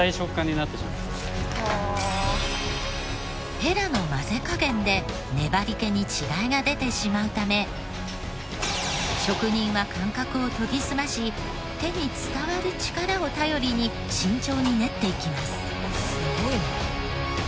ヘラの混ぜ加減で粘り気に違いが出てしまうため職人は感覚を研ぎ澄まし手に伝わる力を頼りに慎重に煉っていきます。